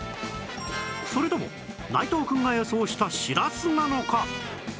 それとも内藤くんが予想したしらすなのか？